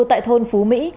tại thôn phú mỹ